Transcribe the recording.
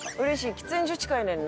喫煙所近いねんな。